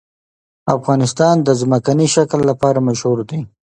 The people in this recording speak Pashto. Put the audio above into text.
افغانستان د ځمکنی شکل لپاره مشهور دی.